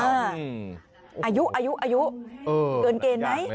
อายุอายุอายุเกินเกณฑ์ไหม